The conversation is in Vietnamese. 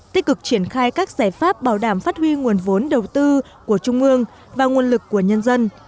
tích cực triển khai các giải pháp bảo đảm phát huy nguồn vốn đầu tư của trung ương và nguồn lực của nhân dân